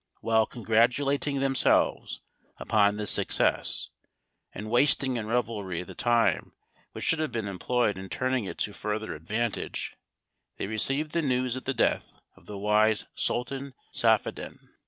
While congratulating themselves upon this success, and wasting in revelry the time which should have been employed in turning it to further advantage, they received the news of the death of the wise Sultan Saphaddin.